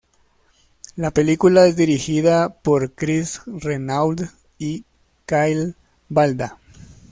La película es dirigida por Chris Renaud y Kyle Balda.